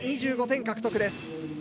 ２５点獲得です。